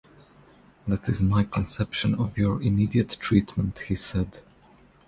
“That is my conception of your immediate treatment,” he said.